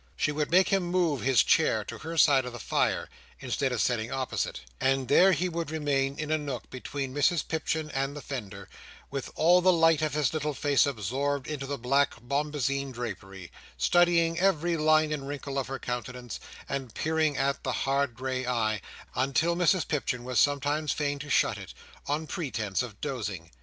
She would make him move his chair to her side of the fire, instead of sitting opposite; and there he would remain in a nook between Mrs Pipchin and the fender, with all the light of his little face absorbed into the black bombazeen drapery, studying every line and wrinkle of her countenance, and peering at the hard grey eye, until Mrs Pipchin was sometimes fain to shut it, on pretence of dozing.